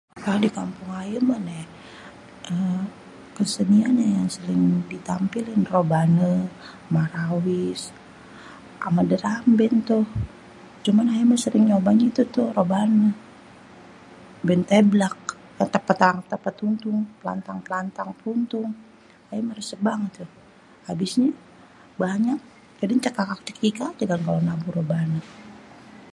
Kalau dikampung ayê mê nêh, êhh kesenian yang sering ditampilin robanê, marawis, amê dêramben tuh. cuman ayê mêh sering nyobainnyê tu tuh robanê band téblak pétang tang pêtuntung, plantang plêntung. ayê mêh rêsêp banget abisnyê banyak jadi cêkak cêkikikan kan ajê kan kalau nabu robanê.